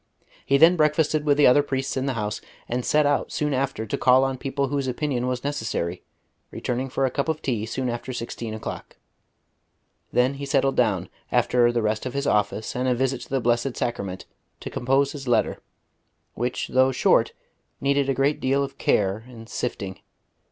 He then breakfasted with the other priests in the house, and set out soon after to call on people whose opinion was necessary, returning for a cup of tea soon after sixteen o'clock. Then he settled down, after the rest of his office and a visit to the Blessed Sacrament, to compose his letter, which though short, needed a great deal of care and sifting.